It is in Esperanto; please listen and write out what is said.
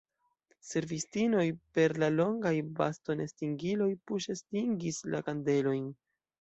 Servistinoj per la longaj bastonestingiloj puŝestingis la kandelojn.